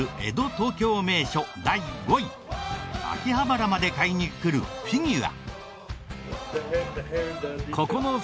東京名所第５位秋葉原まで買いに来るフィギュア。